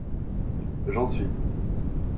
J'en suis